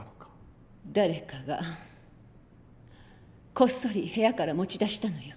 誰かがこっそり部屋から持ち出したのよ。